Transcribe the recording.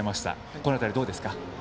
この辺り、どうですか？